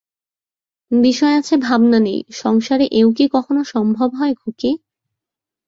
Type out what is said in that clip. বিষয় আছে ভাবনা নেই, সংসারে এও কি কখনো সম্ভব হয় খুকি?